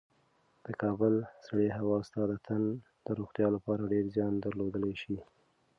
د کابل سړې هوا ستا د تن د روغتیا لپاره ډېر زیان درلودلی شي.